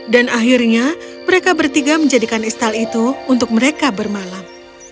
dan akhirnya mereka bertiga menjadikan istal itu untuk mereka bermalam